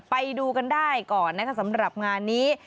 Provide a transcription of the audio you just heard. ไปดูกันได้ก่อนนะคะสำหรับงานนี้